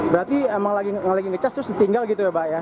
berarti emang lagi ngecas terus ditinggal gitu ya pak ya